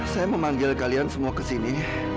saya memanggil kalian semua kesini